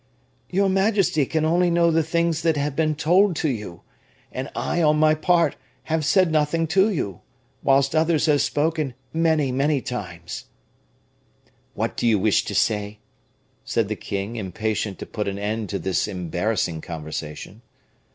"Your majesty can only know the things that have been told to you; and I, on my part, have said nothing to you, whilst others have spoken many, many times " "What do you wish to say?" said the king, impatient to put an end to this embarrassing conversation.